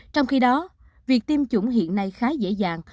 trong khi đó việc tiêm chủng hiện nay khá dễ dàng